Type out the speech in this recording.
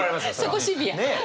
そこシビア。ね。